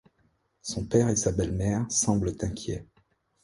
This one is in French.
Son père et sa belle-mère semblent inquiets…